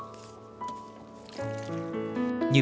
hai trùng rượu